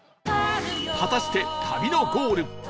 果たして旅のゴール